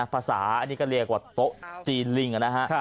ภาษาอันนี้ก็เรียกว่าโต๊ะจีนลิงนะฮะ